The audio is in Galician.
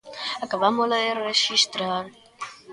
Acabámola de rexistrar.